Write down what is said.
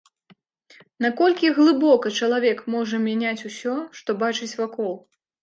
Наколькі глыбока чалавек можа мяняць усё, што бачыць вакол?